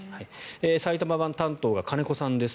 埼玉版担当が金子さんです。